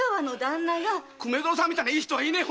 粂蔵さんみたいないい人はいねえ！